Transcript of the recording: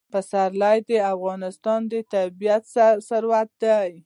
پسرلی د افغانستان طبعي ثروت دی.